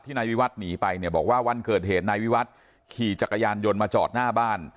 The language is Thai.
นายวิวัฒน์หนีไปเนี่ยบอกว่าวันเกิดเหตุนายวิวัฒน์ขี่จักรยานยนต์มาจอดหน้าบ้าน